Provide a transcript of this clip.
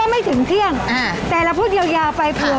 ขอบคุณมากด้วยค่ะพี่ทุกท่านเองนะคะขอบคุณมากด้วยค่ะพี่ทุกท่านเองนะคะ